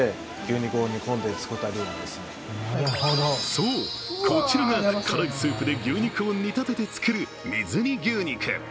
そう、こちらが辛いスープで牛肉を煮立てて作る水煮牛肉。